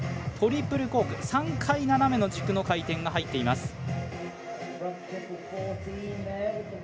トリプルコーク、３回斜めの軸の回転が入っています。